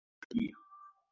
Kengele inalia